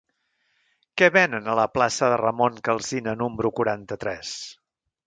Què venen a la plaça de Ramon Calsina número quaranta-tres?